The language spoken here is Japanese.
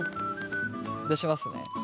出しますね。